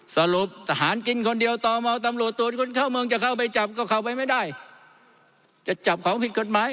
สรุปทหารกินคนเดียวต่อมอตำรวจตรวจคนเข้าเมืองจะเข้าไปจับก็เข้าไปไม่ได้